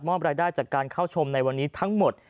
รายได้จากการเข้าชมในวันนี้ทั้งหมด